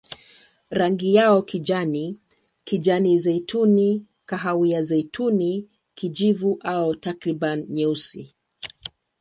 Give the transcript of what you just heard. Rangi yao kijani, kijani-zeituni, kahawia-zeituni, kijivu au takriban nyeusi.